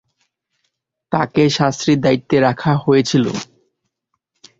তাঁকে সান্ত্রী-দায়িত্বে রাখা হয়েছিল।